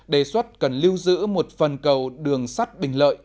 đề xuất cần lưu giữ một phần cầu đường sắt bình lợi